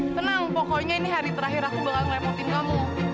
tenang pokoknya ini hari terakhir aku bakal ngerepotin kamu